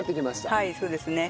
はいそうですね。